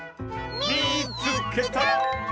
「みいつけた！」。